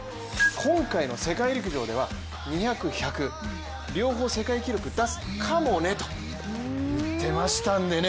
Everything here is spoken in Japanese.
今回の世界陸上では２００、１００両方、世界記録出すかもねと言ってましたんでね